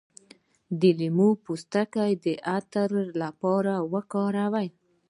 د لیمو پوستکی د عطر لپاره وکاروئ